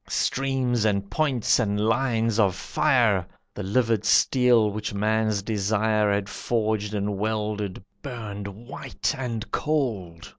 Streams, and points, and lines of fire! The livid steel, which man's desire Had forged and welded, burned white and cold.